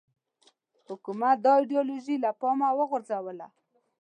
حکومت دا ایدیالوژي له پامه وغورځوله